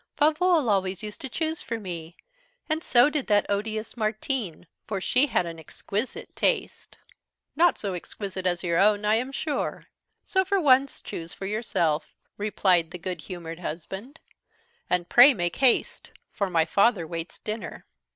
Favolle always used to choose for me; and so did that odious Martin, for she had an exquisite taste." "Not so exquisite as your own, I am sure; so for once choose for yourself," replied the good humoured husband; "and pray make haste, for my father waits dinner."